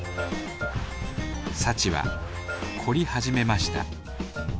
幸は凝り始めました